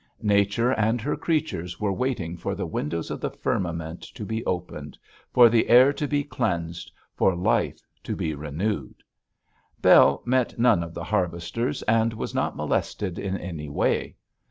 Nature and her creatures were waiting for the windows of the firmament to be opened, for the air to be cleansed, for life to be renewed. Bell met none of the harvesters and was not molested in any way.